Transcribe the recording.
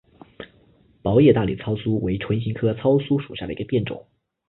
薄叶大理糙苏为唇形科糙苏属下的一个变种。